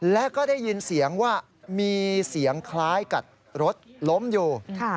และก็ได้ยินเสียงว่ามีเสียงคล้ายกับรถล้มอยู่